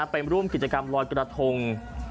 ไปร่วมกิจกรรมลอยกระทง